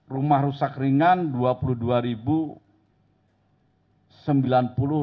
rumah rusak ringan dua puluh dua sembilan puluh rumah